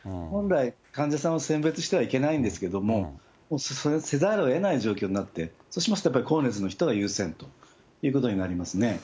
本来、患者さんを選別してはいけないんですけども、せざるをえない状況になって、そうしますと、やっぱり高熱の人が優先ということになりますね。